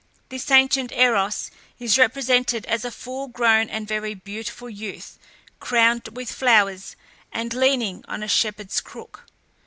This ancient Eros is represented as a full grown and very beautiful youth, crowned with flowers, and leaning on a shepherd's crook.